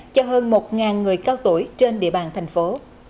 cho hơn một người cao tuổi trên địa bàn thành phố